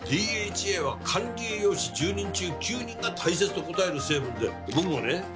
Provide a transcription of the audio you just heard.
ＤＨＡは管理栄養士１０人中９人が大切と答える成分で僕もね